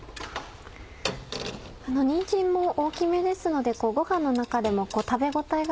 にんじんも大きめですのでご飯の中でも食べ応えがある。